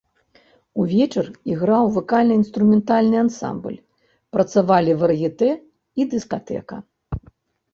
Увечар іграў вакальна-інструментальны ансамбль, працавалі вар'етэ і дыскатэка.